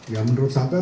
ya menurut saya